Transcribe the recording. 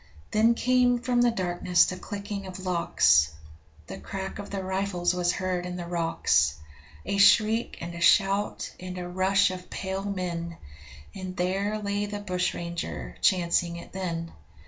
Then came from the darkness the clicking of locks; The crack of the rifles was heard in the rocks! A shriek and a shout, and a rush of pale men And there lay the bushranger, chancing it then.